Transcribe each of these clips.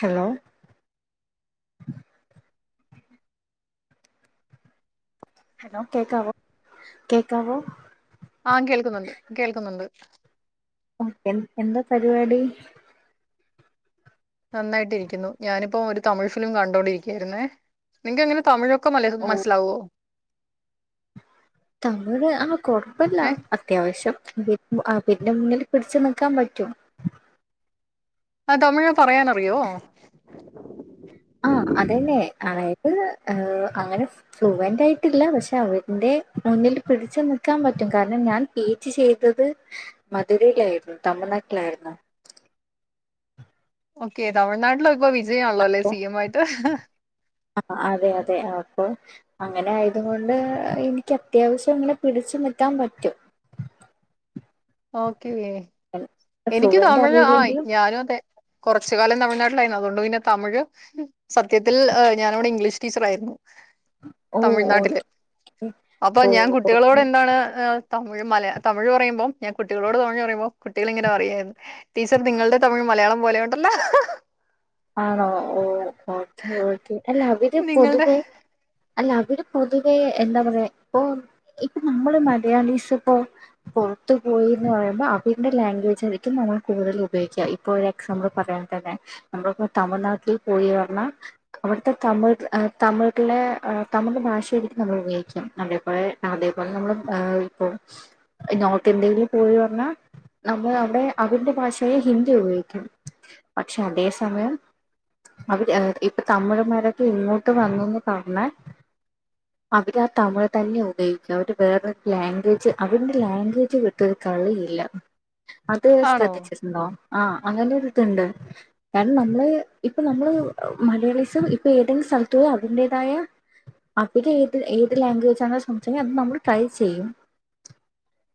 Hello hello കേക്കാവോ കേക്കാവോ ആഹ് കേൾക്കുന്നുണ്ട് കേൾക്കുന്നുണ്ട് ഓക്കേ എന്താ പരിപാടി നന്നായിട്ടിരിക്കുന്നു ഞാനിപ്പോം ഒരു തമിഴ് ഫിലിം കണ്ടുകൊണ്ടിരിക്കുകയായിരുന്നേ നിങ്ങ അങ്ങനെ തമിഴൊ ഒക്കെ ഓ വല്ലേരുക്കും മനസ്സിലാവോ തമിഴ് ആഹ് കൊഴപ്പില്ല ഏഹ് അത്യാവശ്യം പിന്നെ നിന്റെ മുന്നിൽ പിടിച്ചു നിൽക്കാൻ പറ്റും ആ തമിഴെ പറയാനറിയോ ആ അതെന്നെ അതായത് അങ്ങനെ ഫ്ളുവന്റ് ആയിട്ടില്ല പക്ഷെ അവന്റെ മുന്നിൽ പിടിച്ച് നിൽക്കാൻ പറ്റും കാരണം ഞാൻ പീജിചെയ്തത് മധുരയിലായിരുന്നു തമിഴ്നാട്ടിലാരുയിന്നു ഓക്കെ തമിഴ്നാട്ടിലോ ഇപ്പൊ വിജയം ആണല്ലോ അല്ലെ സി എം ആയിട്ട് ആഹ് അതെ അതെ ആപ്പൊ അങ്ങനെ ആയത് കൊണ്ട് എനിക്ക് അത്യാവശ്യം ങ്ങനെ പിടിച്ചു നിക്കാൻ പറ്റും [inaudible] ഓക്കെ വേ ഉ [inaudible] എനിക്ക് തമിഴ് ആയി ഞാനും അതെ കൊറച്ച് കാലം തമിഴ്നാട്ടിലായിരുന്നു അതുകൊണ്ട് പിന്നെ തമിഴ് സത്യത്തിൽ ഞാനവിടെ ഇംഗ്ലീഷ് ടീച്ചർ ആയിരുന്നു ഓ ഓ തമിഴ്നാട്ടില് അപ്പൊ ഓ ഞാൻ കുട്ടികളോട് ഓക്കെ എന്താണ് ഏഹ് തമി മലയാ തമിഴ് പറയുമ്പോ ഞാൻ കുട്ടികളോട് തമിഴ് പറയുമ്പോ കുട്ടികള് ഇങ്ങനെ പറിയായിരുന്നു ടീച്ചർ നിങ്ങളുടെ തമിഴ് മലയാളം പോലെയുണ്ടല്ലോ ആണോ ഓഹ് ഓക്കെ ഓക്കെ അല്ല അവര് നിങ്ങളുടെ പൊതുവേ അല്ല അവർ പൊതുവെ എന്താ പറയാ ഇപ്പൊ ഇപ്പൊ നമ്മള് മലയാളീസ് ഇപ്പോ പൊറത്തു പോയി എന്ന് പറയുമ്പോൾ അതിന്റെ ലാംഗ്വേജ് ആരിക്കും നമ്മൾ കൂടുതൽ ഉപയോഗിക്കുക ഇപ്പൊ എക്സാമ്പിൾ പറയാൻ തന്നെ നമ്മളിപ്പോ തമിൾനാട്ടിൽ പോയി ന്ന് പറഞ്ഞൽ അവിടുത്തെ തമിഴ് തമിഴിലെ തമിഴ് ഭാഷ ഏയിരിക്കും നമ്മൾ ഉപയോഗിക്ക നമ്മേപലെ അതേപോലെ നമ്മള് ഇപ്പൊ നോർത്ത് ഇന്ത്യൽ പോയി വന്നാ നമ്മൾ അവിടെ അവരുടെ ഭാഷയെ ഹിന്ദി ഉപയോഗിക്കണം പക്ഷെ അതേ സമയം അവര് ഇപ്പൊ തമിഴുമാരൊക്കെ ഇങ്ങോട്ട് വന്നുന്ന് പറഞ്ഞാൽ അവര് ആ തമിഴ് തന്നെ ഉപയോഗിക്കുക അവര് വേറൊരു ലാംഗ്വേജ് അവരുന്റെ ലാംഗ്വേജ് വിട്ട ട്ട് ഒരു കളിയില്ല അത് ആണോ ശ്രദ്ധിച്ചിട്ടുണ്ടോ ആഹ് അങ്ങനെ ഇരിതുണ്ട് കാരണം നമ്മള് ഇപ്പ നമ്മള് മലയാളിസം ഇപ്പൊ ഏതെങ്കിലും സ്ഥലത്ത് പോയാ അതിന്റേതായ അപ്പൊർത്ത് ഏത് ഏത് ലാംഗ്വേജ് ആണോ ചോദിച്ചത് അത് നമ്മൾ ട്രൈ ചെയ്യും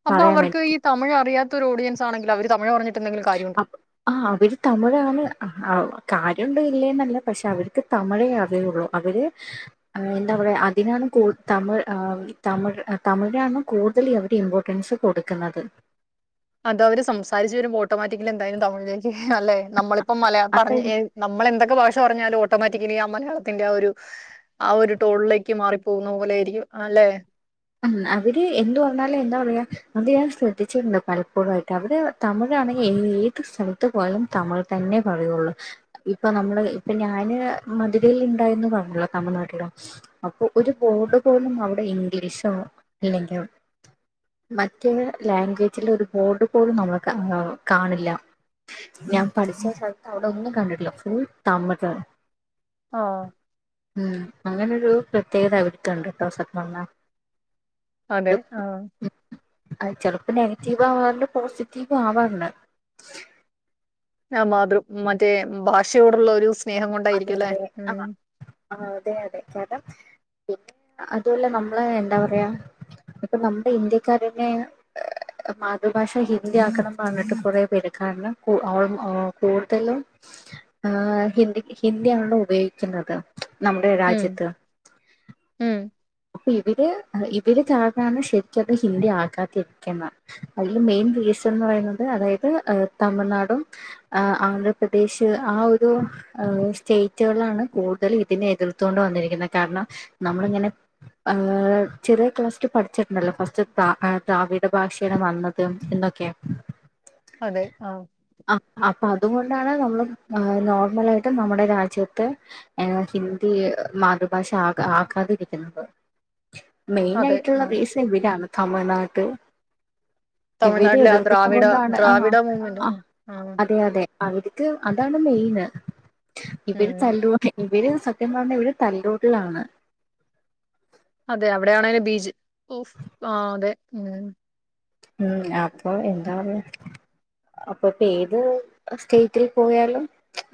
അപ്പൊ പറയാൻ അവർക്ക് ഈ വേണ്ടി തമിഴ് അറിയാത്തരു ഓഡിയൻസ് ആണങ്കിൽ അവര് തമിഴ് പറഞ്ഞിട്ടന്തെകിലും കാര്യണ്ടോ ആഹ് അവര് തമിഴാണ് ആഹ് കാര്യണ്ടോ ഇല്ലേന്നല്ല പക്ഷെ അവർക്ക് തമിഴേ അറിയുള്ളൂ അവര് ഏഹ് എന്താ പറയാ അതിനാണ് കൂടു തമിഴ് ആഹ് തമിഴ് തമിഴാണ് കൂടുതൽ അവരുടെ ഇമ്പോർട്ടൻസ് കൊടുക്കുന്നത് അത് അവര് സംസാരിച്ചു വരുമ്പോ ഓട്ടോമാറ്റിക്കലി എന്തായാലും തമിഴിലേക്ക് അല്ലേ നമ്മളിപ്പം മലയാളം അപ്പ പറഞ്ഞ് ഏഹ് നമ്മൾ എന്തൊക്കെ ഭാഷ പറഞ്ഞാലും ഓട്ടോമാറ്റിക്കലി ആ മലയാളത്തിന്റെ ആ ഒരു ആഹ് ഒരു ടോളിലേക്ക് മാറി പോകുന്ന പോലെ ആയിരിക്കും അല്ലെ ഉം അവര് എന്ത് പറഞ്ഞാലും എന്താ പറയാ അത് ഞാൻ ശ്രദ്ധിച്ചിട്ടുണ്ട് പലപ്പോഴായിട്ട് അവര് തമിഴാണെങ്കിൽ ഏത് സ്ഥലത്ത് പോയാലും തമിഴ് തന്നെ പറയുള്ളു ഇപ്പൊ നമ്മള് ഇപ്പൊ ഞാന് മധുരയിൽ ഉണ്ടായിന്ന് പറഞ്ഞല്ലോ തമിഴ്നാട്ടിൽ അപ്പൊ ഒരു ബോർഡ് പോലും അവിടെ ഇംഗ്ലീഷോ അല്ലെങ്കോ മറ്റേ ലോഗ്വേജില് ഒരു ബോർഡ് പോലും നമ്മൾ കാ കാണില്ല ഞാൻ പഠിച്ച സ്ഥലത്ത് അവിടെ ഒന്നും കണ്ടിട്ടില്ല ഫുൾ തമിഴ് ആഹ് ഉം അങ്ങനൊരു പ്രത്യേകത അവർക്കുണ്ട് കേട്ടോ സത്യം പറഞ്ഞാൽ അതെ ആഹ് അത് ചെലപ്പോ നെഗറ്റീവ് ആവാറുണ്ട് പോസിറ്റീവ് ആവാറുണ്ട് ആഹ് മാതൃ മറ്റേ ഭാഷയോടുള്ള ഒരു സ്നേഹം കൊണ്ടായിരിക്കും അല്ലേ ഉം ആഹ് അതെ അതെ കാരണം പിന്നെ അതുപോലെ നമ്മള് എന്താ പറയാ ഇപ്പൊ നമ്മുടെ ഇന്ത്യക്കാരെന്നെ മാതൃഭാഷ ഹിന്ദി ആക്കണം പറഞ്ഞിട്ട് കുറെ പേര് കാരണം കൂ ഓൾമോ കൂടുതലും ആഹ് ഹിന്ദിക്ക് ഹിന്ദി ആണല്ലോ ഉപയോഗിക്കുന്നത് നമ്മുടെ ഉം രാജ്യത്ത് ഉം അപ്പൊ ഇവര് ഇവര് കാരണാണ് ശരിക്കത് ഹിന്ദി ആക്കാതിരിക്കുന്ന. അയ്ല് മെയിൻ റീസൺ ന്ന് പറയ്ന്നത് അതായത് എഹ് തമിഴ്നാടും ആഹ് ആന്ധ്രപ്രദേശ് ആ ഒരു ഏഹ് സ്റ്റേറ്റുകളാണ് കൂടുതലും ഇതിനെ എതിർത്തുകൊണ്ട് വന്നിരിക്കുന്നെ. കാരണം നമ്മളിങ്ങനെ ഏഹ് ചെറിയ ക്ലാസ്സിൽ പഠിച്ചിട്ടുണ്ടല്ലോ ഫസ്റ്റ് ത ദ്രാവിഡ ഭാഷയാണ് വന്നതും എന്നൊക്കെ അതെ ആഹ്. ആഹ്. അപ്പൊ അതുകൊണ്ടാണ് നമ്മൾ നോർമലായിട്ടും നമ്മുടെ രാജ്യത്ത് ഏഹ് ഹിന്ദി മാതൃഭാഷ ആകാ ആക്കാതിരി ക്ക്ന്നത്. മെയിൻ അതെ ആയിട്ടുള്ള ആഹ് റീസൺ ഇവരാണ് തമിഴ്നാട് ഇവര് തമിഴ്നാട്ടിലെ ആ എതിർക്കുന്ന ദ്രാവിഡ കൊണ്ടാണ് ആഹ് ദ്രാവിഡ മൂവ്മെന്റ് ആഹ് ആഹ് അതെ അതെ. അവർക്ക് അതാണ് മെയിന് ഇവര് ഉം തല്ലൂട്ടി ഇവര് സത്യം പറഞ്ഞ ഇവര് തല്ലൂട്ടികളാണ്. അതെ അവിടെയാണയ്ന് ബീജ് ആഹ് അതെ ഉം ഉം അപ്പം എന്താ പറയാ അപ്പൊ ഇപ്പൊ ഏത് സ്റ്റേറ്റിൽ പോയാലും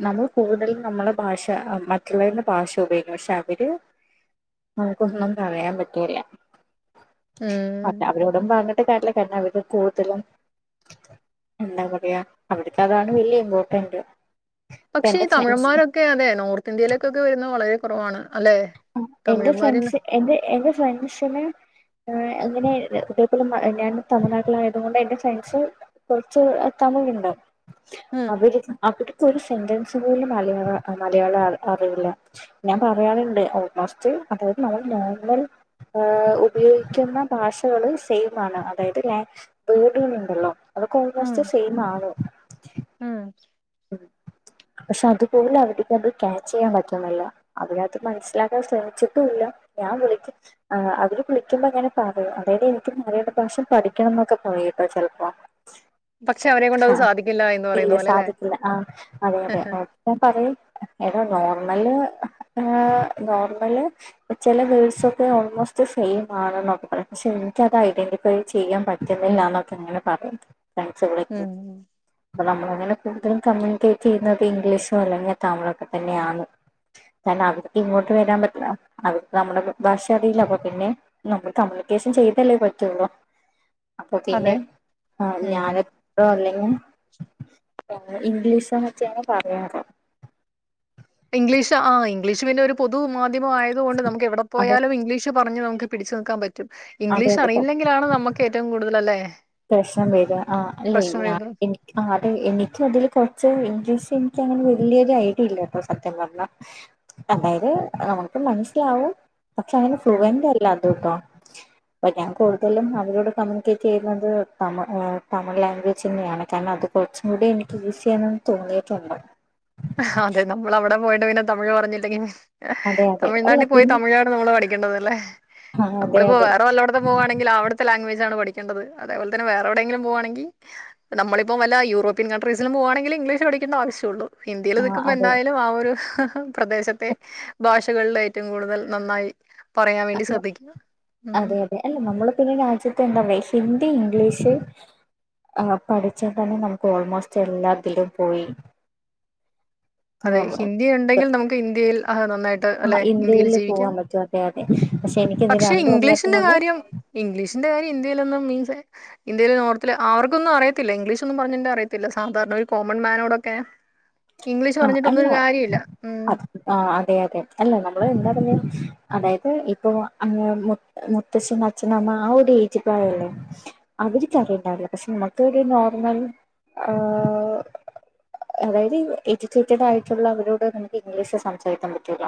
നമ്മൾ കൂടുതലും നമ്മളെ ഭാഷ മറ്റുള്ളവരുടെ ഭാഷ ഉപയോഗിക്കും. പക്ഷെ അവര് നമുകൊന്നും പറയാൻ പറ്റൂല. ഉം പർഞാ അവരോടും പറഞ്ഞിട്ട് കാര്യല്ല. പിന്നെ അവര് കൂട്തലും എന്താ പറയാ അവർക്കതാണ് വലിയ ഇമ്പോർട്ടന്റ്. പക്ഷേ ഈ എന്റെ ഫ്രണ്ട്സ് തമിഴൻമാരൊക്കെ അതെ നോർത്ത് ഇന്ത്യയിലേക്കൊക്കെ വരുന്നത് വളരെ കുറവാണ് അല്ലെ. ആഹ്. എന്റെ തമിഴന്മാരിന്ന് ഫ്രണ്ട്സ് എന്റെ എന്റെ ഫ്രണ്ട്സിന് ഏഹ് അങ്ങനെ ഇത് ഇതേപോലെ മ ഞാൻ തമിഴ്നാട്ടിൽ ആയതുകൊണ്ട് എന്റെ ഫ്രണ്ട്സ് കൊറച്ച് തമിഴുണ്ട്. ഉം അവര് അവിട്ക്കൊരു സെന്റൻസ് പോലും മലയാള മലയാളം അറിയൂല്ല. ഞാൻ പറയാറ്ണ്ട് ഓൾമോസ്റ്റ് അതായത് നമ്മൾ നോർമൽ ഏഹ് ഉപയോഗിക്കുന്ന ഭാഷകൾ സെയിമാണ്. അതായത് ലാ വേർഡുകൾ ണ്ടല്ലോ അതൊക്കെ ഉം ഓൾമോസ്റ്റ് സെയിം ആണ്. ഉം. ഉം പക്ഷെ അതുപോലു അവര്ക്കത് ക്യാച്ച് ചെയ്യാൻ പറ്റ്ണില്ല. അതിനകത്ത് മനസ്സിലാക്കാൻ ശ്രമിച്ചിട്ടൂല്ല ഞാൻ വിളിച്ചി ആഹ് അവര് വിളിക്കുമ്പെങ്ങനെ പറയും അതായത് എനിക്ക് മലയാള ഭാഷ പഠിക്കണംന്നൊക്കെ പറയുട്ടൊ ചെലപ്പം. [inaudible] പക്ഷെ അവരെ കൊണ്ടത് സാധിക്കില്ല എന്ന് പറയുന്ന പോലെ അല്ലെ. സാധിക്കില്ല ആഹ് അതെയതെ. അപ്പൊ അപ്പോ പറയും ഏടാ നോർമല് ഏഹ് നോർമല് ചെല വേർഡ്സൊക്കെ ഓൾമോസ്റ്റ് സെയിം ആണ് ന്നൊക്കെ പറയും. പക്ഷെ ഇന്ക്കത് അയ്ഡന്റിഫൈ ചെയ്യാൻ പ റ്റുന്നില്ലാ ന്നൊക്കെ ങ്ങനെ പറയും. ഫ്രണ്ട്‌സുകളൊക്കെയ്. ഉം അപ്പം നമ്മളിങ്ങനെ കൂടുതലും കമ്മ്യൂണിക്കേറ്റെയ്യുന്നത് ഇംഗ്ലീഷൊ അല്ലെങ്കി തമിളൊക്കെ തന്നെയാണ്. കാരണം അവർക്കിങ്ങോട്ട് വരാൻ പറ്റില്ല അവർക്ക് നമ്മുടെ ഭ ഭാഷ അറിയില്ല. അപ്പൊ പിന്നെ നമ്മള് കമ്മ്യൂണിക്കേഷൻ ചെയ്തല്ലേ പറ്റുള്ളൂ. അപ്പൊ പിന്നെ അതെ ഏഹ് ഉം ഞാന് [unintelligible] അല്ലെങ്കി തമിഴ് ഇംഗ്ലീഷോ മറ്റേയാണ് പറയാറ്. ഇംഗ്ലീഷാ ആഹ് ഇംഗ്ലീഷ് പിന്നൊരു പൊതു മാധ്യമമായതുകൊണ്ട് നമുക്കെവിടെ അത് പോയാലും ഇംഗ്ലീഷ് പറഞ്ഞു നമുക്ക് പിടിച്ചു നൽക്കാൻ പറ്റും അതെ ഇംഗ്ലീഷ് അതെ അറിയില്ലെങ്കിലാണ് നമുക്ക് ഏറ്റവും കൂടുതൽ അല്ലേ പ്രശ്നം വരാ ആഹ് അല്ലെ പ്രശ്നം ഞാൻ വരുന്നത് എ ആഹ് അതെ എനിക്കതില് കൊറച്ച് ഇംഗ്ലീഷെനിക്കങ്ങനെ വെല്ല്യൊരു ഐഡിയ ഇല്ലട്ടോ സത്യം പറഞ്ഞാ അതായത് നമുക്ക് മനസ്സിലാവും പക്ഷങ്ങനെ ഉം ഫ്ലുവന്റല്ല [unintelligible] ഞാൻ കൂടുതലും അവരോട് കമ്മ്യൂണിക്കേറ്റ് ചെയ്യുന്ന ത് തമ ഏഹ് തമിഴ് ലാംഗ്വേജന്നെയാണ് കാരണം അത് കൊറച്ചും കൂടിയെനിക്ക് ഈസിയണെന്ന് തോന്നിയിട്ടുണ്ട് അതെ നമ്മളവിടെ പോയിട്ട് പിന്നെ തമിഴ് പറഞ്ഞില്ലെങ്കിൽ അതെ അതെ അല്ല തമിഴ്നാട്ടി പോയി പിന്നെ തമിഴ് നമ്മള് പഠിക്കേണ്ടതല്ലേ ആ അതെ നമ്മളിപ്പോ അതെ വേറെ വല്ലേട് ത്തും പോവാണെങ്കിൽ അവിടുത്തെ ലാഗ്വേജാണ് പഠിക്കേണ്ടത് അതേ പോൽതന്നെ വേറെ എവിടെയെങ്കിലും പോവാണെങ്കി നമ്മളിപ്പം വല്ല യൂറോപ്യൻ കൺട്രീസിലും പോവാണെങ്കില് ഇഗ്ലീഷ് പഠിക്കേണ്ട ആവശ്യുള്ളു ഹിന്ദിയില് ആ അതെ നിക്കുമ്പെന്തായാലും ആ ഒരു പ്രദേശത്തെ ഭാഷകളിലേറ്റവും കൂടുതൽ നന്നായി പറയാൻ വേണ്ടി ശ്രദ്ധിക്കുക [unintelligible] ഉം അതെ അല്ല നമ്മള് പിന്നെ രാജ്യത്ത് എന്താറയാ ഹിന്ദി ഇംഗ്ലീഷ് ആഹ് പഠിച്ചാതന്നെ നമുക്ക് ഓൾമോസ്റ്റ് എല്ലാത്തിലും പോയി അതെ ഹിന്ദിയുണ്ടെങ്കിൽ നമുക്ക് ഇന്ത്യയിൽ അഹാ നന്നായിട്ട് അല്ലെ ഇന്ത്യയിൽ ജീവിക്കാം അതെയതെ പഷെയെനിക്കത്‌ പക്ഷെ രണ്ടും അറിയാത്ത ഇംഗ്ലീഷിന്റെ കൊണ്ട് കാര്യം ഇംഗ്ലീഷിന്റെ കാര്യ ഇന്ത്യയിൽ നിന്നും മീൽസെ ഇന്ത്യയിൽ നോർത്തില് അവർക്കൊന്നും അറിയത്തില്ല ഇംഗ്ലീഷൊന്നും പറഞ്ഞ അറിയത്തില്ല സാധാരണ ഒരു കോമൺമാനോടൊക്കെ [inaudible] ഇംഗ്ലീഷ് പറഞ്ഞിട്ടൊന്നൊരു കാര്യല്ല ഉം ആഹ് അതെയതെ അല്ല നമ്മള് എന്താ പറഞ്ഞ അതായത് ഇപ്പൊ ആ മു മുത്തശ്ശൻ, അച്ഛനമ്മ ആ ഒരു ഏജ് പ്രായുല്ലേ അവർക്കറിയണ്ടാവില്ല പഷെ നമുക്കൊര് നോർമൽ ആഹ് അതായത് എ ജുക്കേറ്റഡായിട്ടുള്ളവരോട് നമുക്ക് ഇംഗ്ലീഷ് സംസാരിക്കാൻ പറ്റൂല്ല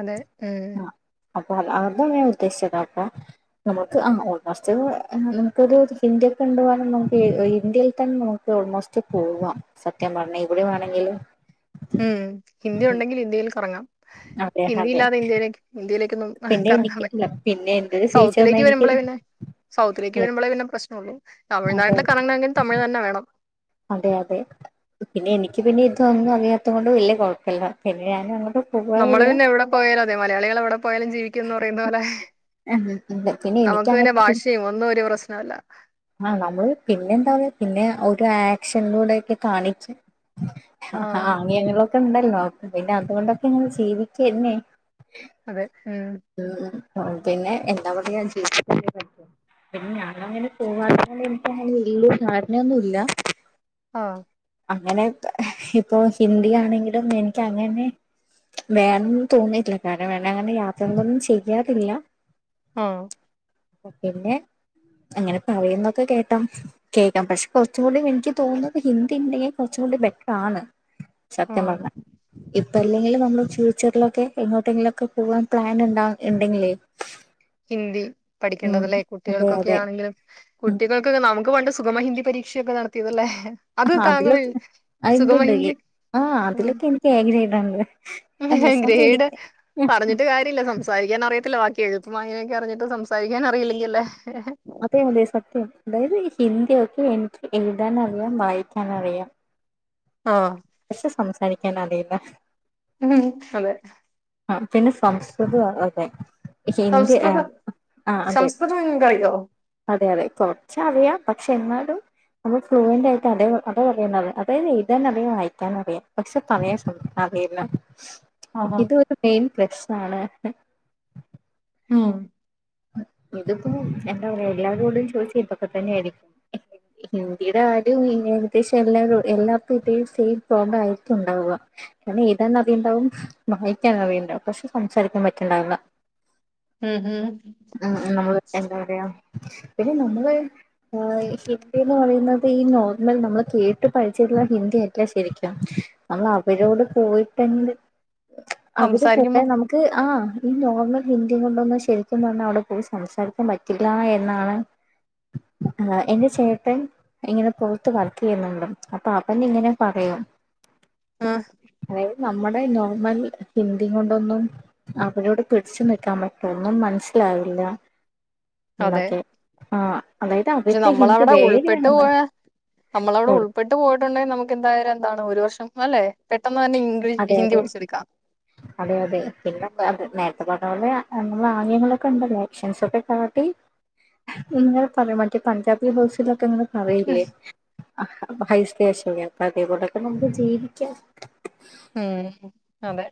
അതെ ഏഹ് അ അപ്പൊ അ അതാ ഞാൻ ഉദ്ദേശിച്ചതപ്പൊ നമുക്ക് ആഹ് ഓൾമോസ്റ്റ് ഏഹ് നമുക്കൊരു ഇന്ത്യക്കെ കണ്ടു പോകാന നമുക്ക് ഇന്ത്യയിൽ തന്നെ ഓൾമോസ്റ്റ് പോവാം സത്യം പറഞ്ഞ എവിടെ വേണെങ്കിലും ഉം ഹിന്ദിയുണ്ടെങ്കിലിന്ത്യയിൽ കറങ്ങാം അതെ ഹിന്ദി അതെ ഇല്ലാതെ ഇന്ത്യയിലേക്ക് ഇന്ത്യയിലേക്ക് ക്കൊന്നും പിന്നെ കറങ്ങാൻ എനിക്ക് അല്ല പറ്റില്ല പിന്നെ എന്റെ ഒരു ഫീച്ചർന്ന് സൗത്തിലേക്ക് എനിക്ക് വരുമ്പള പിന്നെ സൗത്തിലേക്ക് വര്മ്പളേ പിന്നെ പ്രശ്നുള്ളൂ അതെ തമിഴ്നാട്ടില് കറങ്ങണെങ്കി തമിഴ് തന്നെ വേണം അതെയതെ പിന്നെ എനിക്ക് പിന്നെ ഇതൊന്നും അറിയാത്ത കൊണ്ട് വല്യ കൊഴപ്പില്ല പിന്നെ ഞാനങ്ങോട്ടും നമ്മള് പിന്നെ എവിടെ പ്പോയാലും അതെ മലയാളികൾ എവിടെ പ്പോയാലും ജീവിക്കും എന്ന് പറയുന്നത് പോലെ എന്താ പിന്നെ എനിക്ക് നമുക്ക് പിന്നെ ഭാഷയും ഒന്നും ഒരു പ്രശ്നവല്ല ആഹ് നമ്മള് പിന്നെ എന്താവ പിന്നെ ഒരു ആക്ഷനിലൂടെ ഒക്കെ കാണിച്ച് ആഹ് ആഗ്യങ്ങളൊക്കെ ഉണ്ടല്ലോ പിന്നെ അതുകൊണ്ടൊക്കെ ങ്ങനെ ജീവിക്കന്നെ അതെ ഉം ഉം ഉം അപ്പ പിന്നെ എന്താ പറയാ ജീവിച്ചല്ലേ പറ്റൂ പിന്നെ ഞാനങ്ങനെ പോവാതിരിക്കാൻ എനിക്ക് അങ്ങനെ വല്യ കാരണം ഒന്നുല്ല ആഹ് അങ്ങനെ ഇപ്പൊ ഹിന്ദി ആണെങ്കിലും എനക്ക് അങ്ങനെ വേണന്ന് തോന്നിയിട്ടില്ല കാരണം വേണം അങ്ങനെ യാത്രകളൊന്നും ചെയ്യാതില്ല ആഹ് പിന്നെ അങ്ങനെ പറയുന്നൊക്കെ കേട്ടാ മതി കേൾക്കാം പക്ഷെ കുറച്ചും കൂടി എനിക്ക് തോന്നുന്നത് ഹിന്ദി ഉണ്ടെങ്കിൽ കുറച്ചും കൂടി ബെറ്റർ ആണ് സത്യം ആഹ് പറഞ്ഞാൽ ഇപ്പൊ അല്ലെങ്കിലും നമ്മള് ഫ്യൂച്ചറിലൊക്കെ എങ്ങോട്ടെങ്കിലൊക്കെ പോവാൻ പ്ലാൻ ഉണ്ടാ ഉണ്ടെങ്കിലേ ഹിന്ദി ഉം പഠിക്കേണ്ടതല്ലേ അതെ കുട്ടികൾക്കൊക്കെ അതെ ആണെങ്കിലും ഉം കുട്ടികൾക്കൊക്കെ നമുക്ക് പണ്ട് സുഖമ ഹിന്ദി പരീക്ഷയൊക്കെ നടത്തിയതല്ലേ അത് താങ്കൾ അതിലൊക്കെ എഴുതി ആ ഇണ്ട്ണ്ട് സുഖമഹിന്ദി ആഹ് അതിലൊക്കെ എനിക്ക് എ ഗ്രേഡ് ഉണ്ട് അല്ല സുഗമഹിന്ദി ഗ്രേഡ് പറഞ്ഞിട്ട് സംസാരിക്കാൻ അറിയത്തില്ല ബാക്കി എഴുത്തും അങ്ങനൊക്കെ അറിഞ്ഞിട്ട് സംസാരിക്കാൻ അറിയില്ലെങ്കിൽ അല്ലേ അതെ അതെ സത്യം അതായത് ഹിന്ദിയൊക്കെ എനിക്ക് എഴുതാൻ അറിയാം വായിക്കാൻ അറിയാം ആഹ് പക്ഷെ സംസാരിക്കാൻ അറിയില്ല ഉം അതെ ആഹ് പിന്നെ സംസ്കൃതം അതെ ഹിന്ദി സംസ്കൃതം ആഹ് അതെ [unintelligible] അതെ അതെ കൊറച്ച് അറിയാം പക്ഷെ എന്നാലും അത് ഫ്ലുവന്റ് ആയിട്ട് അതെ അതത് പറയുന്നത് അതായത് എഴുതാനറിയാം വായിക്കാൻ അറിയാം പക്ഷെ പറയാൻ സംശ അറിയില്ല ആഹാ ഇതൊരു മെയിൻ പ്രശ്നമാണ് മ് ഇതിപ്പോ എന്താ പറയാ എല്ലാരും കൂടി ചോയ്സ് ഇതൊക്കെ തന്നെ ആയിരിക്കും ഇന്ത്യയുടെ ആരും ഏകദേശം എല്ലാ എല്ലാർക്കും ഇതേ സെയിം പ്രോബ്ലം ആയിരിക്കും ഉണ്ടാവുകാ കാരണം എഴുതാൻ അറിയുണ്ടാവും വായിക്കാൻ അറിയുണ്ടാവും പക്ഷെ സംസാരിക്കാൻ പറ്റുണ്ടാവില്ല ഉംഹ് ഉം ഉം നമ്മള് എന്താ പറയാ പിന്നെ നമ്മള് ഹിന്ദി എന്ന് പറയുന്നത് ഈ നോർമൽ നമ്മൾ കേട്ട് പഠിച്ചിരുന്ന ഹിന്ദി അല്ല ശെരിക്കും നമ്മൾ അവരോട് പോയിട്ടുണ്ട് അവിടെ പോയാ സംസാരിക്കുമ്പോ നമുക്ക് ആഹ് ഈ നോർമൽ ഹിന്ദി കൊണ്ടന്നും ശെ പറഞ്ഞാ അവിടെ പോയി സംസാരിക്കാൻ പറ്റില്ല എന്നാണ് ആഹ് എന്റെ ചേട്ടൻ ഇങ്ങനെ പോയിട്ട് വർക്ക് ചെയ്യുന്നുണ്ട് അപ്പൊ അവൻ ഇങ്ങനെ പറയും ഉം അതായത് നമ്മുടെ നോർമൽ ഹിന്ദി കൊണ്ടൊന്നും അവരോട് പിടിച്ചു നിക്കാൻ പറ്റോ ഒന്നും മനസ്സിലാവില്ല അതെ എന്നൊക്കെ ആഹ് അതായത് അവരുടെ ഹിന്ദി വേറെയാണെന്ന് നമ്മള് അവിടെ ഓ, ഉൾപ്പെട്ട് പോയിട്ടുണ്ടെങ്കിൽ നമുക്ക് എന്തായാലും എന്താണ് ഒരു വർഷം അല്ലെ പെട്ടെന്ന് തന്നെ ഇംഗ്ലീഷ് അതെ ഹിന്ദി അതെ പഠിച്ചെടുക്കാം അതെ അതെ പിന്നെ അത് നേരത്തെ പറഞ്ഞ പോലെ എന്നുള്ള ആഗ്യങ്ങളൊക്കെ ഉണ്ടല്ലോ ആക്ഷൻസ് ഒക്കെ കാട്ടി ഇങ്ങനെ പറയാ മറ്റേ പഞ്ചാബി ഹൗസിലൊക്കെ ഇങ്ങനെ പറയില്ലേ ഹരീശ്രീയശോകൻ അപ്പൊ അതേപോലൊക്കെ നമുക്ക് ജീവിക്കാം ഉം അതെ